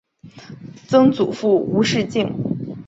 曾祖父吴仕敬。